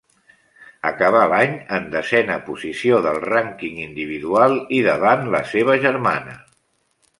Acabà l'any en desena posició del rànquing individual i davant la seva germana.